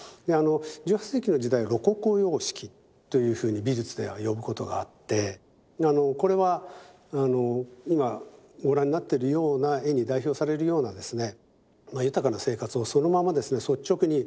１８世紀の時代ロココ様式というふうに美術では呼ぶことがあってこれは今ご覧になってるような絵に代表されるようなですね